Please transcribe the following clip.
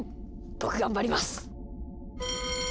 僕頑張ります！